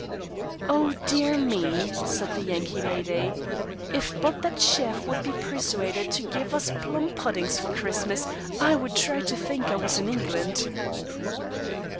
"Oh, dear me!" said the Yankee lady. "If but that chef could be persuaded to give us plum puddings for Christmas, I would try to think I was in England."